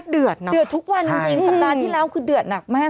เดือดนะเดือดทุกวันจริงสัปดาห์ที่แล้วคือเดือดหนักมาก